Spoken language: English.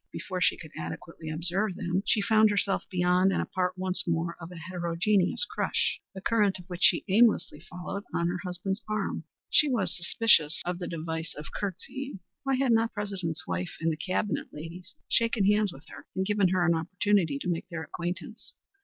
Before she could adequately observe them, she found herself beyond and a part once more of a heterogeneous crush, the current of which she aimlessly followed on her husband's arm. She was suspicious of the device of courtesying. Why had not the President's wife and the Cabinet ladies shaken hands with her and given her an opportunity to make their acquaintance?